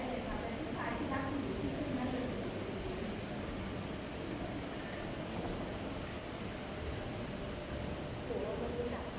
สวัสดีครับสวัสดีครับ